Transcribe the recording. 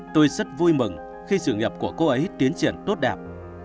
tôi rất vui mừng khi sự nghiệp của cô ấy tiến triển tốt đẹp